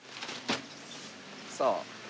さあ。